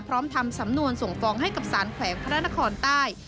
ทำสำนวนส่งฟ้องให้กับสารแขวงพระนครใต้